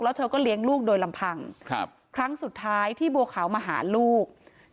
แล้วเธอก็เลี้ยงลูกโดยลำพังครั้งสุดท้ายที่บัวขาวมาหาลูก